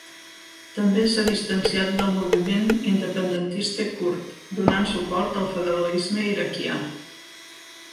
També s'ha distanciat del moviment independentista kurd, donant suport al federalisme iraquià.